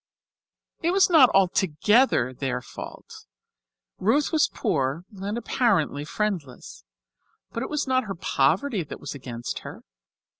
This was not altogether their fault. Ruth was poor and apparently friendless, but it was not her poverty that was against her.